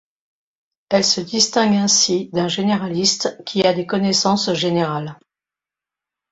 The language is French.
Elle se distingue ainsi d'un généraliste, qui a des connaissances générales.